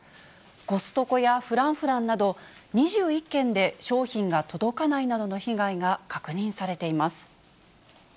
コストコやＦｒａｎｃｆｒａｎｃなど、２１件で商品が届かないなどの被害が確認されています。